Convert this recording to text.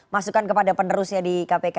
masukan kepada penerusnya di kpk